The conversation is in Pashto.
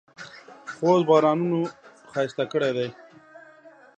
خوست بارانونو ښایسته کړی دی.